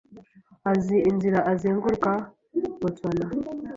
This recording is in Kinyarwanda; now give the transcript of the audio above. azi inzira azenguruka Boston.